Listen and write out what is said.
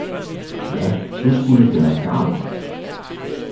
Ja du skulle gøre gavn